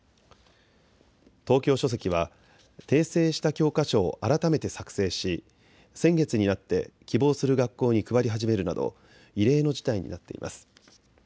東京書籍は訂正した教科書を改めて作成し先月になって希望する学校に配り始めるなど異例の事態になっています。